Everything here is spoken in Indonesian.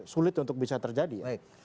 sulit untuk bisa terjadi